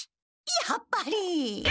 やっぱり！